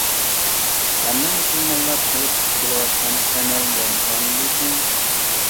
ھەممە مۇسۇلمانلار قىلىپ كېلىۋاتقان ئەمەل بولغاندىكىن.